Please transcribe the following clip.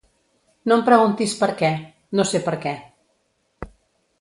No em preguntis per què; no sé per què.